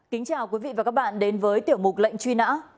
kính chào quý vị và các bạn đến với tiểu mục lệnh truy nã